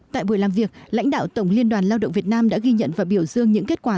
tại buổi làm việc lãnh đạo tổng liên đoàn lao động việt nam đã ghi nhận và biểu dương những kết quả